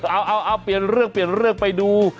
เอาเปลี่ยนเลือกไปดู